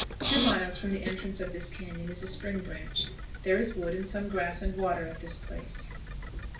Two miles from the entrance of this cañon is a spring branch. There is wood and some grass and water at this place.